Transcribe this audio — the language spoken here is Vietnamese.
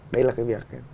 đây là cái việc